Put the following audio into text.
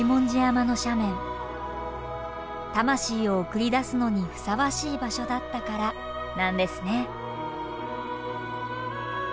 魂を送り出すのにふさわしい場所だったからなんですね。